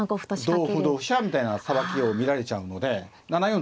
同歩同飛車みたいなさばきを見られちゃうので７四